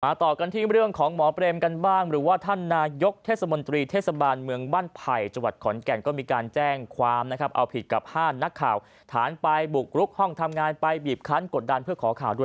มาต่อกันที่เรื่องของฮเบรมหรือว่าอยกทศมนตรีเทศบาลเมืองบั่นไพรจขอนแก่ก็มีการแจ้งความอ้าพิธีกับ๕นักข่าว